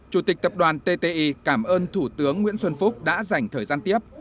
chủ tịch tập đoàn tti cảm ơn thủ tướng nguyễn xuân phúc đã dành thời gian tiếp